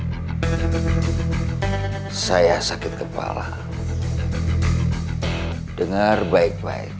terus rencana ekspansi bisnis ke pasar dan terminal juga gagal saya sakit kepala dengar baik baik